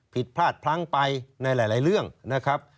ผิดพลาดพลั้งไปในหลายเรื่องนะครับ